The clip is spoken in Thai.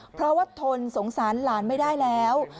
เพราะว่าทนสงสารหลานไม่ได้แล้ว